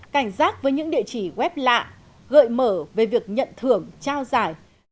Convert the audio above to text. cảnh giác với những địa chỉ web lạ gợi mở về việc nhận thưởng trao giải